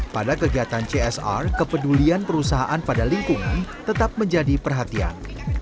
pada kegiatan csr kepedulian perusahaan pada lingkungan tetap menjadi perhatian